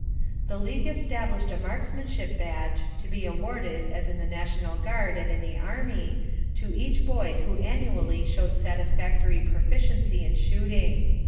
The league established a marksmanship badge, to be awarded, as in the National Guard and in the Army, to each boy who annually showed satisfactory proficiency in shooting.